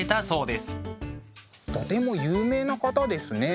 とても有名な方ですね。